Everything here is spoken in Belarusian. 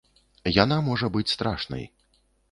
Яна можа быць страшнай.